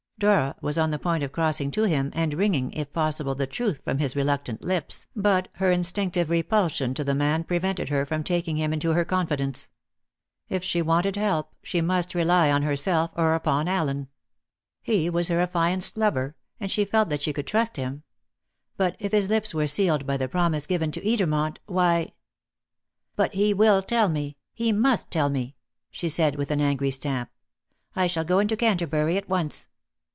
Dora was on the point of crossing to him, and wringing, if possible, the truth from his reluctant lips, but her instinctive repulsion to the man prevented her from taking him into her confidence. If she wanted help, she must rely on herself or upon Allen. He was her affianced lover, and she felt that she could trust him. But if his lips were sealed by the promise given to Edermont, why "But he will tell me he must tell me," she said, with an angry stamp. "I shall go into Canterbury at once."